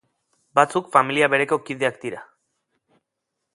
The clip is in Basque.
Batzuk familia bereko kideak dira.